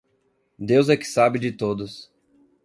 Deus é que sabe de todos.